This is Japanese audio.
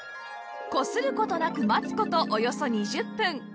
こする事なく待つ事およそ２０分